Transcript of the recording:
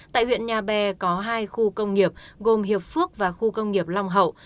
tại huyện nhà bè có hai khu công nghiệp gồm hiệp phước và khu công nghiệp long hậu